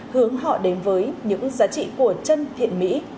hướng họ đến với những giá trị của chân thiện mỹ